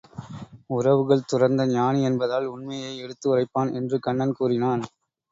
உறவுகள் துறந்த ஞானி என்பதால் உண்மையை எடுத்து உரைப்பான் என்று கண்ணன் கூறினான்.